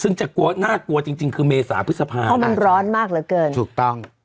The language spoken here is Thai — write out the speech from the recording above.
ซึ่งจะกลัวน่ากลัวจริงจริงคือเมษาพฤษภาเพราะมันร้อนมากเหลือเกินถูกต้อง